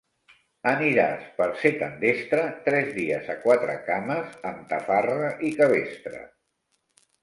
Aniràs, per ser tan destre, tres dies a quatre cames amb tafarra i cabestre.